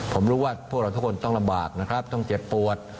ผมรู้ว่าพวกเราทุกคนต้องระบาดต้องเจ็บปวด